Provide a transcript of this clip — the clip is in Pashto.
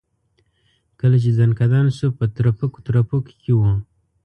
کله چې ځنکدن شو په ترپکو ترپکو کې و.